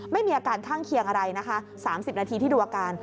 ไม่มีอาการข้างเคียงอะไรนะคะ๓๐นาทีที่ดูอาการ